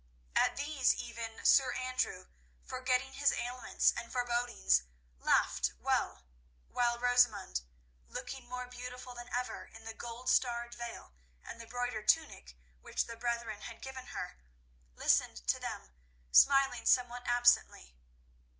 At these even Sir Andrew, forgetting his ailments and forebodings, laughed well, while Rosamund, looking more beautiful than ever in the gold starred veil and the broidered tunic which the brethren had given her, listened to them, smiling somewhat absently.